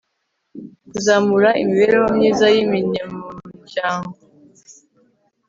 Kuzamura imibereho myiza y umuryango